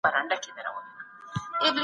پښتو ټایپنګ ستاسو لیکنیز مهارت ښه کوي.